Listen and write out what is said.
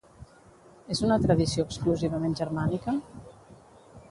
És una tradició exclusivament germànica?